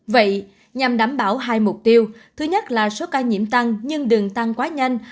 vậy nhằm đảm bảo hai mục tiêu thứ nhất là số ca nhiễm tăng nhưng đường tăng quá nhanh